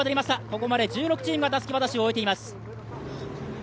ここまで１６チームがたすき渡しを終えています。